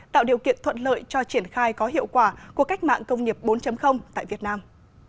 tạo điều kiện thuận lợi cho triển khai có hiệu quả của cách mạng công nghiệp bốn tại việt nam